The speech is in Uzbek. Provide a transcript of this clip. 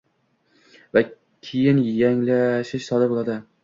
va keyin yangilanish sodir bo‘ladi.